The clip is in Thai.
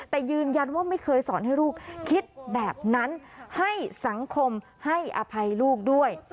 แต่ยืนยันว่าไม่เคยสอนให้ลูกคิดแบบนั้นให้สังคมให้อภัยลูกด้วย